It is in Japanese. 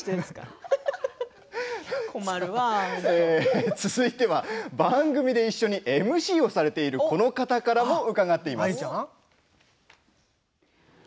ピアノは朝飯前だけど続いては番組で一緒にＭＣをされてるこの方からも伺っています。